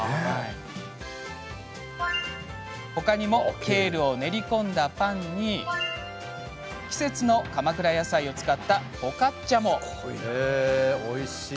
ほかにもケールを練り込んだパンに季節の鎌倉やさいを使ったフォカッチャも。